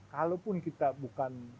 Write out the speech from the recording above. kalaupun kita bukan